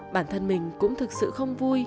bản thân mình cũng thực sự không vui